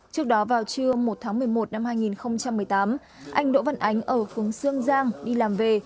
trước đó vào trưa một tháng một mươi một năm hai nghìn một mươi tám anh đỗ văn ánh ở phường sương giang đi làm về